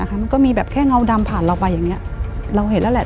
มันก็มีแบบแค่เงาดำผ่านเราไปอย่างนี้เราเห็นแล้วแหละ